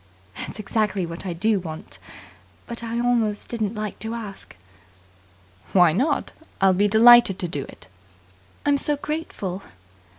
"That's exactly what I do want. But I almost didn't like to ask." "Why not? I'll be delighted to do it." "I'm so grateful."